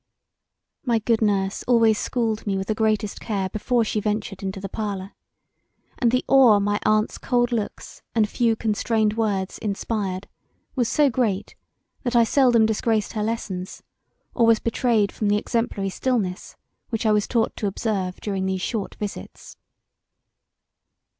My good nurse always schooled me with the greatest care before she ventured into the parlour and the awe my aunt's cold looks and few constrained words inspired was so great that I seldom disgraced her lessons or was betrayed from the exemplary stillness which I was taught to observe during these short visits.